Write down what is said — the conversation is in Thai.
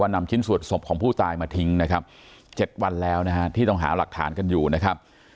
นำชิ้นส่วนศพของผู้ตายมาทิ้งนะครับ๗วันแล้วนะฮะที่ต้องหาหลักฐานกันอยู่นะครับ